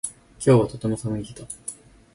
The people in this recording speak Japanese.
今日はとても寒い日だ